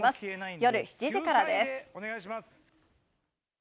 夜７時からです。